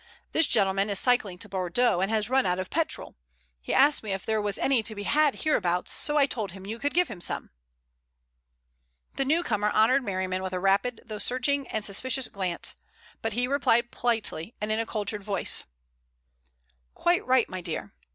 "This gentleman is cycling to Bordeaux and has run out of petrol. He asked me if there was any to be had hereabouts, so I told him you could give him some." The newcomer honored Merriman with a rapid though searching and suspicious glance, but he replied politely, and in a cultured voice: "Quite right, my dear."